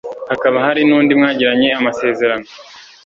hakaba hari n'undi mwagiranye amasezerano